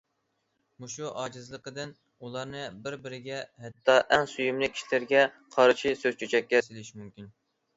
مۇشۇ ئاجىزلىقىدىن ئۇلارنى بىر- بىرىگە ھەتتا ئەڭ سۆيۈملۈك كىشىلىرىگە قارشى سۆز- چۆچەككە سېلىش مۇمكىن.